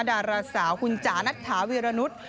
ดาราสาวคุณจ๋าณข้าเวียระนุษย์